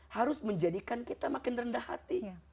harus menjadikan kita makin rendah hati